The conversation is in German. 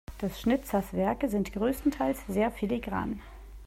Des Schnitzers Werke sind größtenteils sehr filigran.